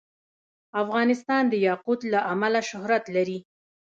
افغانستان د یاقوت له امله شهرت لري.